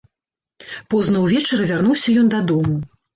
Позна ўвечары вярнуўся ён дадому.